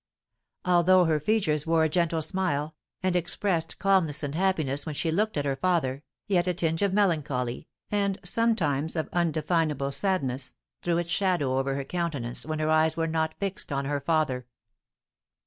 Although her features wore a gentle smile, and expressed calmness and happiness when she looked at her father, yet a tinge of melancholy, and sometimes of undefinable sadness, threw its shadow over her countenance when her eyes were not fixed on her father.